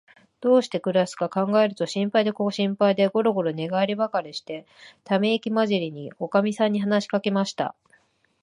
どうしてくらすかかんがえると、心配で心配で、ごろごろ寝がえりばかりして、ためいきまじりに、おかみさんに話しかけました。